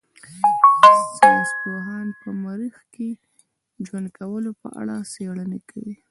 ساينس پوهان په مريخ کې د ژوند کولو په اړه څېړنې کوي.